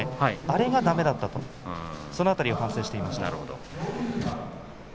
あれがだめだったとその辺りを反省していました。